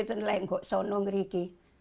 tidak mereka itu diungsi mereka itu berlengkak